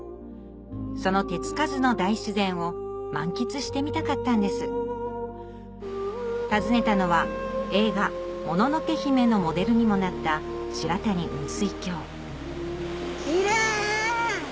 その手付かずの大自然を満喫してみたかったんです訪ねたのは映画『もののけ姫』のモデルにもなった白谷雲水峡キレイ！